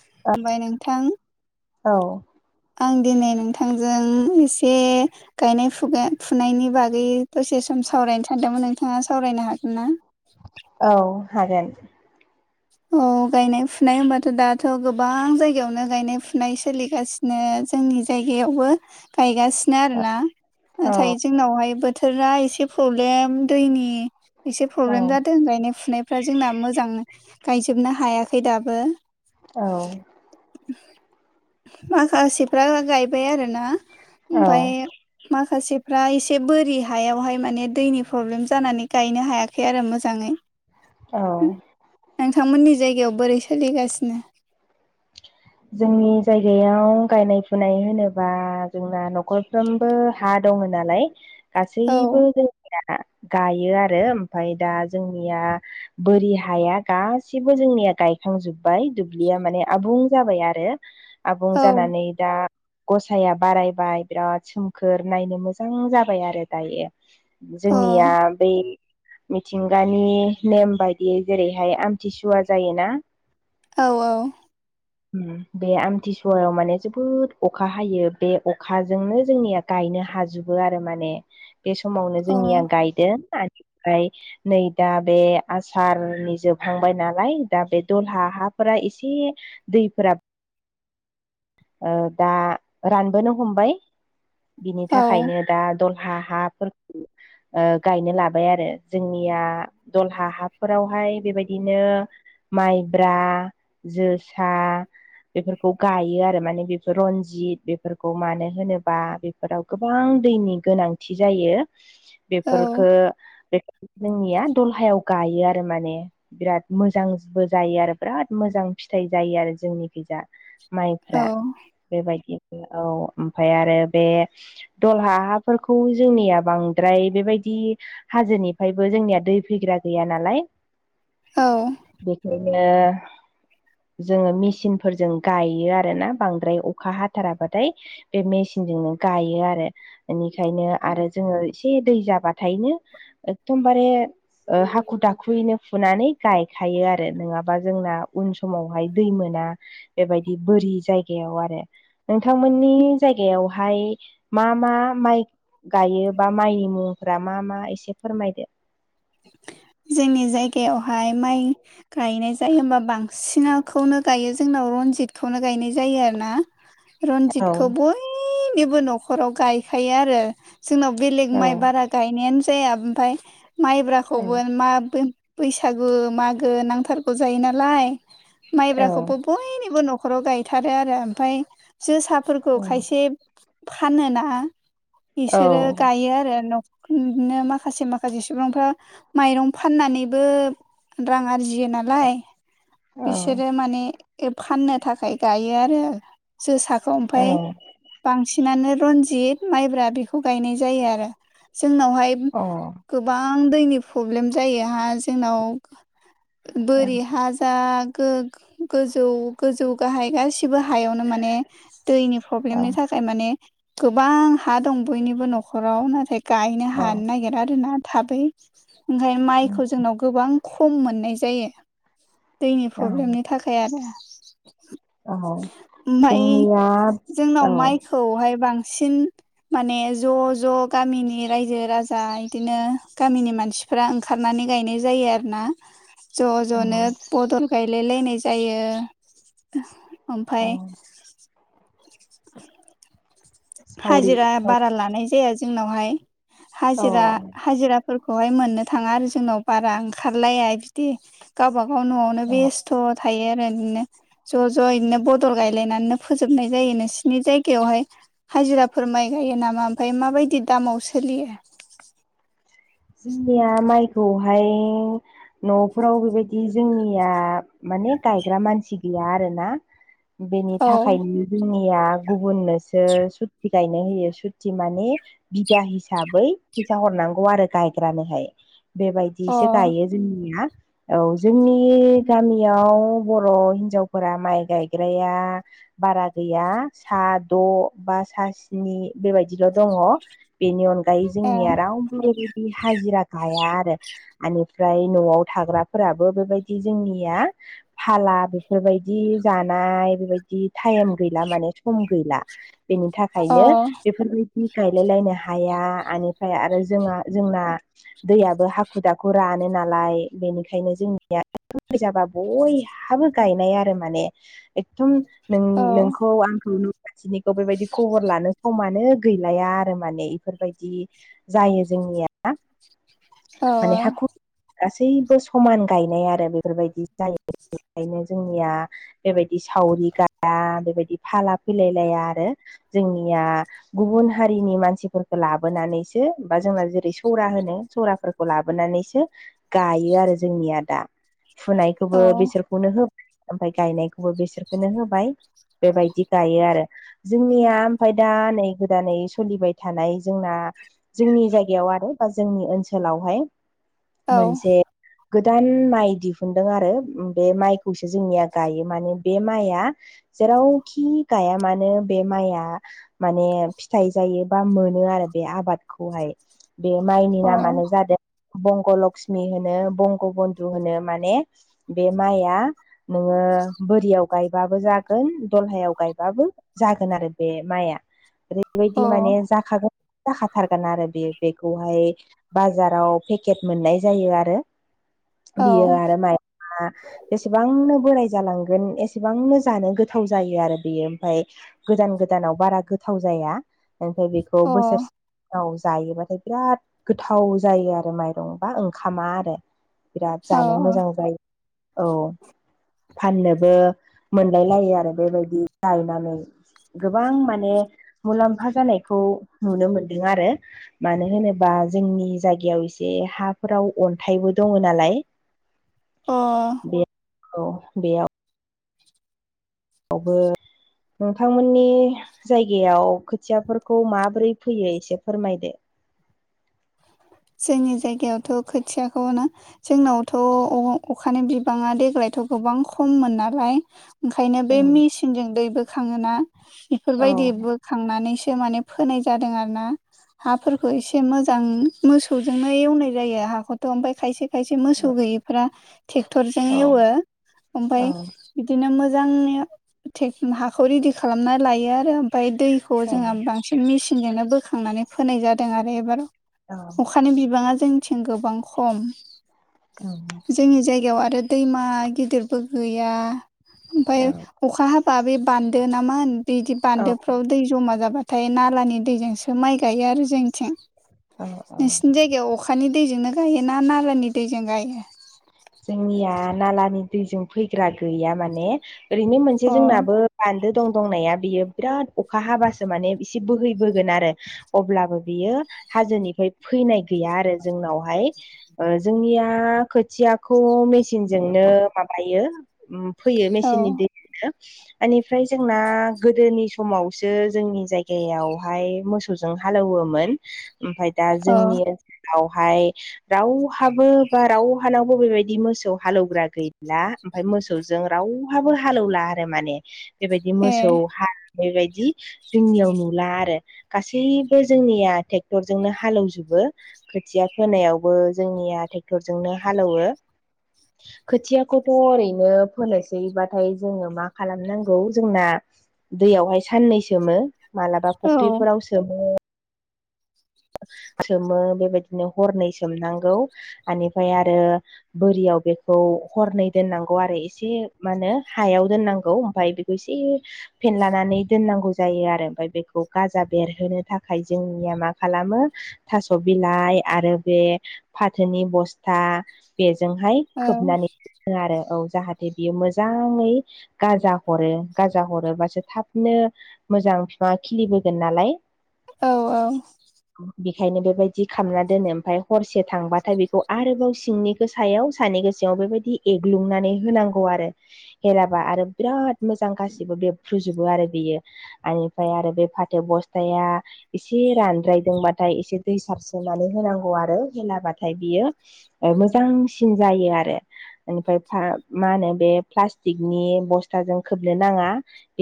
खुलुमबाय नोंथां। औ आं दिनै नोंथांजों एसे गायनाय फुगाय फुनायनि बागै दसे सम सावरायनो सानदोंमोन नोंथाङा सावरायनो हागोन ना? औ हागोन। औ गायनाय फुनाय होमबाथ' दाथ' गोबां जायगायावनो गायनाय फुनाय सोलिगासि नो जोंनि जायगायावबो गायगासि नो आरोना औ नाथाय जोंनावहाय बोथोरा एसे प्रब्लेम दैनि एसे औ प्रब्लेम जादों गायनाय फुनायफ्रा जोंना मोजां गायजोबनो हायाखै दाबो। औ माखासेफ्रा गायबाय आरोना ओमफाय औ माखासेफ्रा एसे बोरि हायावहाय माने दैनि प्रब्लेम जानानै गायनो हायाखै आरो मोजाङै। औ नोंथांमोननि जायगायाव बोरै सोलिगासिनो जोंनि जायगायाव गायनाय फुनाय होनोबा जोंना न'खर फ्रोमबो हा दङ नालाय औ गासैबो जों [unintelligible] गायो आरो ओमफाय दा जोंनिया बोरि हाया गासिबो जोंनिया गायखांजोब्बाय दुब्लिया माने आबुं जाबाय आरो आबुं औ जानानै दा गसाया बारायबाय बिराद सोमखोर नायनो मोजां जाबाय आरो दायो अ जोंनिया औ बै मिथिंगानि नेम बायदियै जेरैहाय आमथिसुवा जायोना औ औ ओम बे आमथिसुवायाव माने जोबोद अखा हायो बे अखाजोंनो जोंनिया गायनो हाजोबो आरो माने बे समावनो अ जोंनिया गायदों [unintelligible] आरो निफ्राय नै दा बे आसारनि जोबहांबाय नालाय दा बे दलहा हाफोरा एसे दैफोरा ओ दा रानबोनो हमबाय बिनि औ थाखायनो दा द हा हाफोरखौ गायनो लाबाय आरो जोंनिया दलहा हाफोरावहाय बेबायदिनो माइब्रा जोसा बेफोरखौ गायो आरो माने बेफोर रनजित बेफोरखौ मानो होनोबा बेफोराव गोबां दैनि गोनांथि जायो औ बेफोरखो फोरखौ बे जोंनिया दलहायाव गायो आरो माने बिराद मोजांबो जायो आरो बिराद मोजां फिथाइ जायो आरो जोंनिखैजा औ माइफ्रा बेबायदि औ ओमफ्राय आरो बे दहला हाफोरखौ जोंनिया बांद्राय बेबायदि हाजोनिफ्रायबो जोंनिया दै फैग्रा गैया नालाय औ बेखौनो जोङो मेचिनफोरजों गायो आरोना बांद्राय अखा हाथाराबाथाय बे मेसिनजोंनो गायो आरो बेनिखायनो आरो जोङो एसे दै जाबाथायनो एदमबारे ओ हाखु दाखुयैनो फुनानै गायखायो आरो नोङाबा जोंना उन समावहाय दै मोना बेबायदि बोरि जाय जायगायाव आरो नोंथांमोननि जायगायावहाय मा मा माइ गायो बा माइनि मुंफोरा मा मा एसे फोरमायदो जोंनि जायगायावहाय माइ गायनाय जायो होमबा बांसिनखौनो गायो जोंनाव रनजितखौनो गायनाय जायो आरो ना [inaudible] रनजितखौ बयनिबो न'खराव गायखायो आरो जोंनाव बेलेग औ माइ बारा गायनायानो जाया ओमफ्राय औ माइब्राखौबो मा बे बैसागु मागो नांथारगौ जायो नालाय औ माइब्राखौबो बयनिबो न'खराव गायथारो आरो ओमफ्राय जोसाफोरखौ खायसे फानो ना औ बिसोरो गायो आरो न' बिदिनो माखासे माखासे सुबुंफ्रा माइरं फाननानैबो रां आरजियो नालाय औ बिसोरो माने फाननो थाखाय गायो आरो जोसाखौ ओमफ्राय औ बांसिनानो रनजित माइब्रा बेखौ गायनाय जायो आरो जोंनावहाय अ गोबां दैनि प्रब्लेम जायोहा जोंनाव बोरि हाजा गो गोजौ गोजौ गाहाय गासिबो गासिबो हायावनो माने दैनि औ प्रब्लेमनि थाखाय माने गोबां हा दं बयनिबो न'खराव नाथाय गायनो औ हानो नागिरा आरोना थाबै ओंफ्राय माइखौ जोंनाव गोबां खम मोननाय जायो दैनि फ्रब्लेमनि थाखाय आरो औ ओमफ्राय जोंनिया जोंनाव औ माइखौहाय बांसिन माने ज' ज' गामिनि रायजो राजा इदिनो गामिनि मानसि फोरा ओंखारनानै गायनाय जायो आरोना ज' औ ज'नो बदल गायलायलायनाय जायो औ ओमफ्राय [inaudible] सावरि हाजिरा सावरि, बारा लानाय जाया जोंनावहाय अ हाजिरा हाजिरा फोरखौहाय मोननो थाङा आरो जोंनाव बारा ओंखारलाया बिदि गावबागाव न'आवनो अ बेस थ' थायो आरो बिदिनो ज' ज' बिदिनो बदल गायलायनानैनो फोजोबनाय जायो नोंसिनि जायगायावहाय हाजिराफोर माइ गायो नामा ओमफ्राय माबायदि दामाव सोलियो जोंनिया माइखौहाय न'फोराव बेबायदि जोंनिया माने गायग्रा मानसि गैया आरोना बेनि थाखायनो जोंनिया गुबुननोसो सुति गायनो होयो सुथि माने बिगा हिसाबै फैसा हरनांगौ आरो गायग्रानोहाय बेबायदिसो गायो जोंनिया औ जोंनि गामियाव बर' हिनजावफोरा माइ गायग्राया बारा गैया सा द' बा सा स्नि बेबायदिल' दङ बिनि अनगायै जोंनिया रावबो बेबायदि हाजिरा गाया आरो आनिफ्राय न'आव थाग्राफोराबो बेबायदि जोंनिया फाला बेफोरबायदि जानाय बेबायदि टाइम गैला माने सम गैला बेनि थाखायनो बेफोरबायदि गायलाय लायनो हाया आनिफ्राय आरो जोंहा जोंना दैयाबो हाखु दाखु रानो नालाय बेनिखायनो जोंनिया [unintelligible] जाबा बयहा हाबो गायनाय आरो माने एकदम नों नोंखौ आंखौ न' खााथिनिखौ बेबायदि खबर लानो समानो गैलाया आरो माने बेफोरबायदि जायो जोंनिया माने हाखु गासैबो समान गायनाय आरो बेफोरबायदि जायो बेनिखायनो जोंनिया बेबायदि सावरि गाया बेबायदि फाला फैलायलाया आरो जोंनिया गुबुन हारिनि मानसिफोरखौ लाबोनानैसो बा जोंना जेरै सौरा होनो सौराफोरखौ लाबोनानैसो गायो आरो जोंनिया दा फुनायखौबो बिसोरखौनो हो ओमफाय गायनायखौबो बिसोरखोनो होबाय बेबायदि गायो आरो जोंनिया ओमफाय दा नै गोदानै सलिबाय थानाय जोंना जोंनि जायगायाव आरो बा जोंनि ओनसोलावहाय मोनसे गोदान माइ दिहुनदों आरो बे माइखौसो जोंनिया गायो माने बे माइआ जेरावखि गाया मानो बे माइआ माने फिथाइ जायो बा मोनो आरो बे आबाद खौहाय बे माइनि नामानो जादों बंग' लक्ष्मि होनो बंग बन्धु होनो माने बे माइआ नोङो बोरियाव गायबाबो जागोन दलहायाव गायबाबो जागोन आरो बे माइआ ओरैबायदि माने जाखागोन थारगोन आरो बियो बेखौहाय बाजाराव पेकेट मोननाय जायो आरो बियो आरो माया जेसेबांनो बोराय जालांगोन एसेबांनो जानो गोथाव जायो आरो बेयो ओमफाय गोदान गोदानाव बारा गोथाव जाया ओमफाय बेखौ बोसोरसे याव जायोबाथाय बिराद गोथाव जायो आरो माइरं बा ओंखामा आरो बिराद जानो मोजां जायो औ फाननोबो मोनलाय लायो आरो बेबायदि गायनानै गोबां माने मुलाम्फा जानायखौ नुनो मोनदों आरो मानो होनोबा जोंनि जायगायाव एसे हाफोराव अन्थाइबो दङ नालाय बे औ बेयाव यावबो नोंथांमोननि जायगायाव खोथियाफोरखौ माबोरै फोयो एसे फोरमायदो जोंनि जायगायावथ' खोथियाखौ ना जोंनावथ' अखानि बिबाङा देग्लायथ' गोबां खममोन नालाय ओंखायनो औ बे मेसिनजों दै बोखाङोना औ इफोरबायदिबो खांनानैसो माने फोनाय जादों आरो ना हाफोरखौ एसे मोजां मोसौजोंनो एवनाय जायो हाखौथ' ओमफाय खायसे खायसे मोसौ गैयिफ्रा ट्रेक्टरजों औ एवो औ ओमफाय बिदिनो मोजांनिया हाखौ रेडि खालामना लायो आरो ओमफाय दैखौ औ जोंहा बां सिन मेसिनजोंनो बोखांनानै फोनाय जादों आरो एबाराव औ अखानि बिबाङा जोंनिथिं गोबां खम औ जोंनि जायगायाव आरो दैमा गिदिरबो गैया ओमफफ्राय अखा हाबा बे बान्दो नामा बिदि औ बान्दोफ्राव दै जमा जाबा नाथाय नालानि दैजोंसो माइ गायो आरो जोंनिथिं ओ नोंसिनि जायगायाव अखानि दैजोंनो गायो ना नालानि दैजों गायो जोंनिया नालानि दैजों फैग्रा गैया माने ओरैनो मोनसे अ जोंनाबो बान्दो दं दंनाया बियो बिराद अखा हाबासो माने इसे बोहैबोगोन आरो अब्लाबो बियो हाजोनिफ्राय फैनाय गैया आरो जोंनावहाय जोंनिया खोथियाखौ मेसिनजोंनो माबायो फैयो औ मेसिननि दैजोंनो बेनिफ्राय जोंना गोदोनि समावसो जोंनि जायगायावहाय मोसौ हालेवोमोन ओमफफ्राय दा औ जोंनि ओनसोलावहाय रावहाबो बा रावहानाव ब बेेबायदि मोसौ हालौवग्रा गैला ओमफफ्राय मोसौजों रावहाबो हालेवला आरो माने बेबायदि ए मोसौ हालौनाय बदि जोंनियाव नुला आरो गासैबो जोंनिया ट्रेक्टरजोंनो हालेवजोबो खोथिया फोनायावबो जोंनिया ट्रेक्टरजोंनो हालौवो खोथियाखौथ' ओरैनो फोनोसैबाथाय जोङो मा खालामनांगौ जोंना दैयावहाय साननै सोमो मालाबा औ फुख्रिफोराव सोमो सोमो बेबायदिनो हरनै सोमनांगौ बेनिफ्राय आरो बोरियाव बेखौ हरनै दोननांगौ आरो एसे मा होनो हायाव दोननांगौ ओमफ्राय बे एसे फेनलानानै दोननांगौ जायो आरो ओमफ्राय बेखौ गाजा बेरहोनो थाखाय जोंनिया मा खालामो थास' बिलाइ आरो बे फाथोनि बस्थु था बेजोंहाय औ खोबनानै हो आरो औ जाहाथे बियो मोजाङै गाजा हरो गाजा हरोबासो थाबनो मोजां बिफांआ खिलिबोगोन नालाय औ औ बेखायनो बेबायदि खालामना दोनो ओमफ्राय हरसे थांबाथाय बेखौ आरोबाव सिंनिखौ सायाव सानिखौ सायाव बेबायदि एग्लुंनानै होनांगौ आरो हेलाबा आरो बिराद मोजां गासिबो बेबफ्रुजोबो आरो बेयो बेनिफ्राय आरो बे फाथो बस्थाया एसे रानद्रायदोंबाथाय एसे दै सारसोनानै होनांगौ आरो होलाबाथाय बियो मोजांसिन जायो आरो। निफ्राय मा होनो बे प्लास्टिकनि बस्थाजों खोबनो नाङा।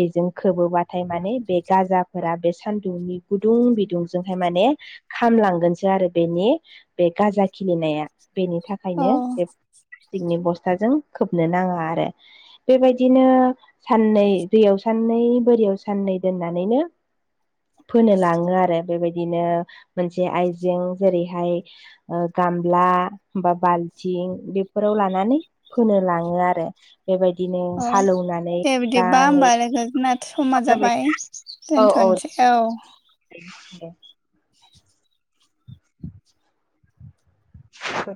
बेजों खोबोबाथाय माने बे गाजाफोरा बे सान्दुंनि गुदुं बिदुंजोंहाय माने खामलांगोनसो आरो बेनि बे गाजा खिलिनाया। बेनि थाखायनो औ बे प्लास्टिकनि बस्थाजों खोबनो नाङा आरो। बेबायदिनो साननै दैयाव साननै बोरियाव साननै दोननानैनो फोनो लाङो आरो बेबायदिनो मोनसे आइजें जेरैहाय ओ गामला हा बाल्थिं बेफोराव लानानै फोनो लाङो आरो। बेबायदिनो अ हालौनानै दे बिदिबा होमबा मोजाङै लोगोजोन समा जाबाय औ औ दोनथ'नोसै। औ [inaudible] [inaudible] [inaudible]